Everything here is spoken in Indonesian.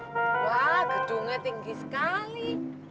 wah gedungnya tinggi sekali